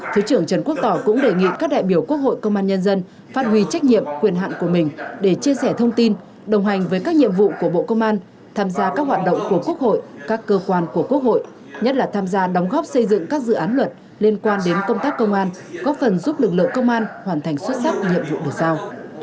thứ trưởng trần quốc tỏ cũng đề nghị các đại biểu quốc hội công an nhân dân phát huy trách nhiệm quyền hạn của mình để chia sẻ thông tin đồng hành với các nhiệm vụ của bộ công an tham gia các hoạt động của quốc hội các cơ quan của quốc hội nhất là tham gia đóng góp xây dựng các dự án luật liên quan đến công tác công an góp phần giúp lực lượng công an hoàn thành xuất sắc nhiệm vụ được giao